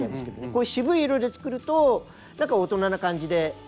こう渋い色で作ると大人な感じで。